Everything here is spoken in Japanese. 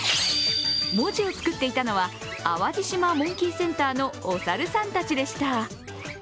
文字をつくっていたのは、淡路島モンキーセンターのお猿さんたちでした。